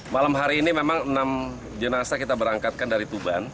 malam hari ini memang enam jenazah kita berangkatkan dari tuban